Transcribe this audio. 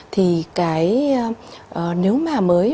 thì cái nếu mà mới